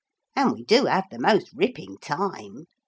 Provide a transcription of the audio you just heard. And we do have the most ripping time.